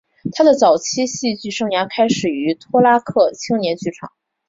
他的早期戏剧生涯开始于托拉克青年剧场。